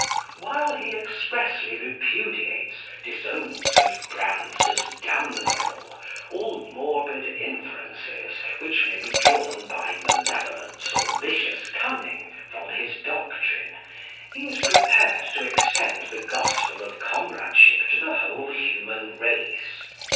While he expressly repudiates, disowns, and brands as "damnable" all "morbid inferences" which may be drawn by malevolence or vicious cunning from his doctrine, he is prepared to extend the gospel of comradeship to the whole human race.